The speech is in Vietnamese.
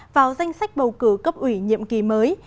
vào danh sách bầu cử cấp ủy nhiệm kỳ mới